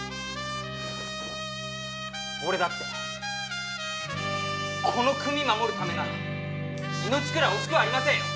俺だってこの組守るためなら命くらい惜しくはありませんよ！